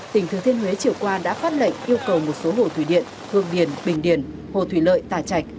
tỉnh thừa thiên huế chiều qua đã phát lệnh yêu cầu một số hồ thủy điện hương điền bình điền hồ thủy lợi tà chạch